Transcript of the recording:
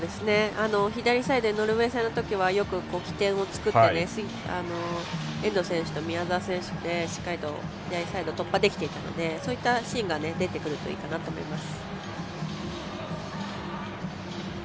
左サイドノルウェー戦のときはよく起点を作って遠藤選手と宮澤選手でしっかりと左サイドを突破できていたのでそういったシーンが出てくるといいかなと思います。